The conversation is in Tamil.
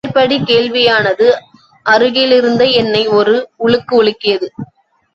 மேற்படி கேள்வியானது அருகிலிருந்த என்னை ஒரு உலுக்கு உலுக்கியது.